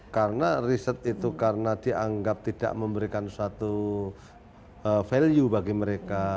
karena riset itu karena dianggap tidak memberikan suatu value bagi mereka